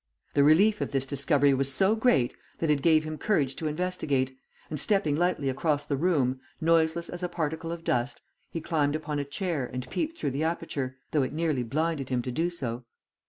The relief of this discovery was so great that it gave him courage to investigate, and stepping lightly across the room, noiseless as a particle of dust, he climbed upon a chair and peeped through the aperture, though it nearly blinded him to do so.